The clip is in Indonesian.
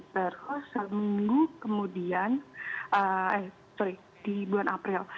terus seminggu kemudian eh sorry di bulan april